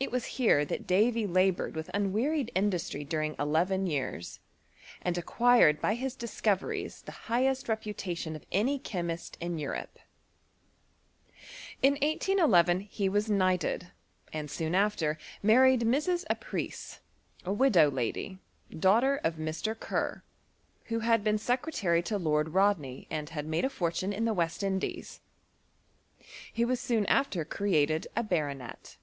It was here that Davy laboured with unwearied industry during eleven years, and acquired by his discoveries the highest reputation of aay chemist in Europe. W 1811 he was knighted, and soon after married Mrs. Apreece, a widow lady, daughter of Mr. Ker, who had been secretary to Lord Rodney, and had ■lade a fortune in the West Indies. He was soon a£t^ created a baronet.